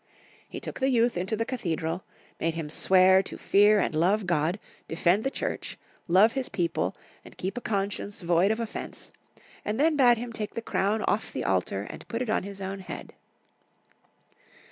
He took the youth into the cathedral, made him swear to fear and love God, defend the Church, love his people, and keep a conscience void of offence, and then bade him take the crown off the altar and put it on his own head.